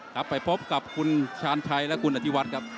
ครับไปพบกับคุณชาญชัยและคุณอธิวัฒน์ครับ